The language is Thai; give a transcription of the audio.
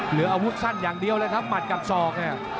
เหลืออาวุธสั้นอย่างเดียวเลยครับหมัดกับศอกเนี่ย